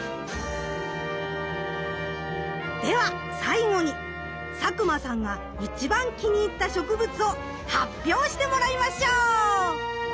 では最後に佐久間さんが一番気に入った植物を発表してもらいましょう！